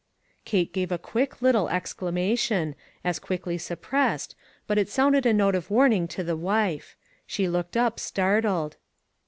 Kate gave a quick, little exclamation, as quickly suppressed, but it sounded a note of warning to the wife. She looked up, startled.